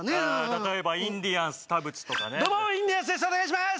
例えばインディアンス田渕とかねどうもインディアンスですお願いします